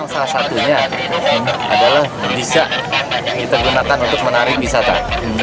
salah satunya adalah bisa kita gunakan untuk menarik wisata